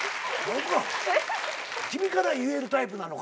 君から言えるタイプなのか。